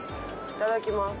いただきます。